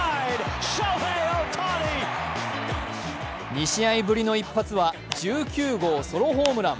２試合ぶりの一発は１９号ソロホームラン。